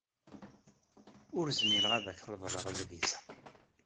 Ur zmireɣ ad ak-reḍleɣ adlis-a.